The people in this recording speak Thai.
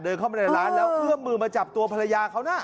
เข้ามาในร้านแล้วเอื้อมมือมาจับตัวภรรยาเขานะ